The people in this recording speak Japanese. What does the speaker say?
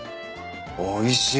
おいしい。